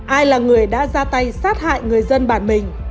ai là người đã ra tay sát hại người dân bản mình